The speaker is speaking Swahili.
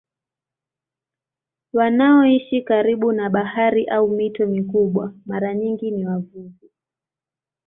Wanaoishi karibu na bahari au mito mikubwa mara nyingi ni wavuvi.